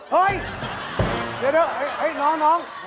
เห้ยเดี๋ยวน้อง